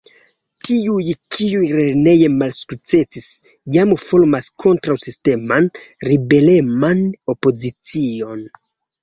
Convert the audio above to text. Tiuj, kiuj lerneje malsukcesis, jam formas kontraŭ-sisteman, ribeleman opozicion.